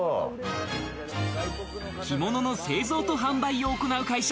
着物の製造と販売を行う会社